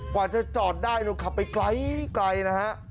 กว่าจะจอดได้ลงขับไปไกลนะฮะ